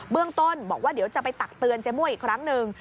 เรื่องต้นบอกว่าเดี๋ยวจะไปตักเตือนเจ๊มั่วอีกครั้งหนึ่ง